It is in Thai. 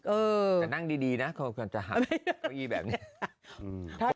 จะนั่งดีนะเขาก็จะหักเก้าอี้แบบนี้